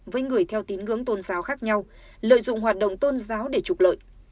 với người theo tín ngưỡng tôn giáo khác nhau lợi dụng hoạt động tôn giáo để trục lợi